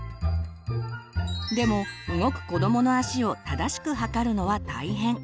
でも動く子どもの足を正しく測るのは大変。